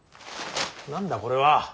何だこれは。